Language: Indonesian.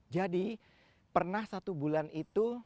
jadi pernah satu bulan itu